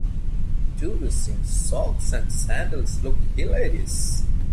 Tourists in socks and sandals look hilarious.